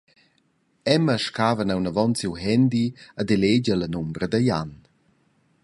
Emma scava neunavon siu handy ed elegia la numera da Jan.